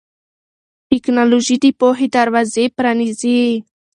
ټیکنالوژي د پوهې دروازې پرانیزي.